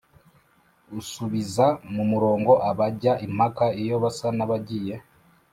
usubiza mu murongo abajya impaka iyo basa n’abagiye